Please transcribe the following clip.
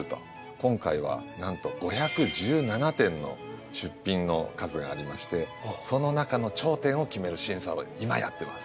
今回はなんと５１７点の出品の数がありましてその中の頂点を決める審査を今やってます。